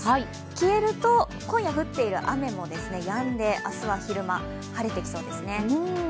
消えると、今夜降っている雨もやんで明日は昼間、晴れてきそうですね。